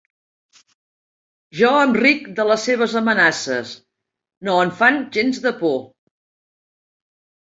Jo em ric de les seves amenaces: no em fan gens de por.